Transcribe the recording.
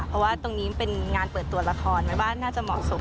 เพราะว่าตรงนี้เป็นงานเปิดตัวละครมันว่าน่าจะเหมาะสม